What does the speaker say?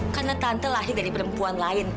karena tante lahir dari perempuan lain